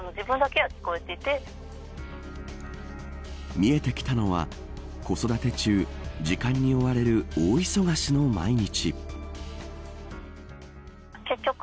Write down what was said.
見えてきたのは子育て中、時間に追われる大忙しの毎日。